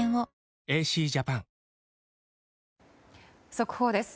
速報です。